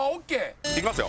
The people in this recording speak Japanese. いきますよ。